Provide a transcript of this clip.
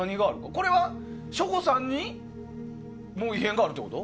これは省吾さんに異変があるってこと？